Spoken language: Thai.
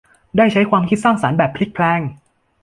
ได้ใช้ความคิดสร้างสรรค์แบบพลิกแพลง